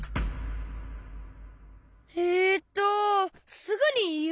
えっとすぐにいう？